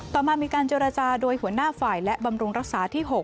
ต่อมามีการเจรจาโดยหัวหน้าฝ่ายและบำรุงรักษาที่๖